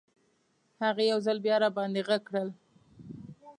هغې یو ځل بیا راباندې غږ کړل.